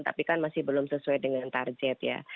tapi kan masih belum sesuai dengan target ya